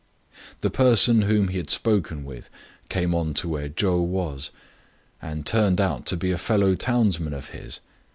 The person whom he had spoken with came on to where Chou was, and turned out to be a fellow townsman of his.